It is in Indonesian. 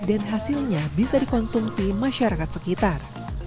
dan hasilnya bisa dikonsumsi masyarakat sekitar